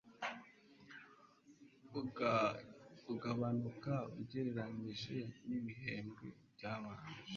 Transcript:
ugabanuka ugereranyije n'ibihembwe byabanje.